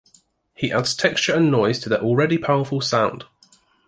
He adds texture and noise to their already powerful sound.